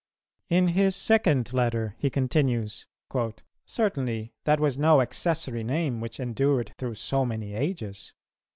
In his second letter, he continues, "Certainly that was no accessory name which endured through so many ages.